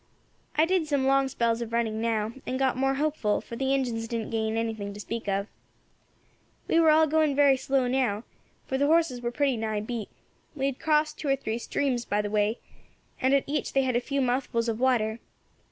I did some long spells of running now, and got more hopeful, for the Injins didn't gain anything to speak of. "We war all going very slow now, for the horses were pretty nigh beat. We had crossed two or three streams by the way, and at each they had had a few mouthfuls of water.